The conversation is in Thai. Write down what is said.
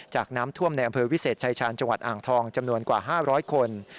จากน้ำท่วมในอำเภอวิเศษชายชาญจังหวัดอ่างทองจำนวนกว่า๕๐๐คน